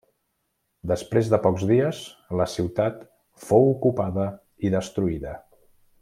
Després de pocs dies la ciutat fou ocupada i destruïda.